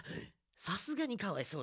さすがにかわいそうだ。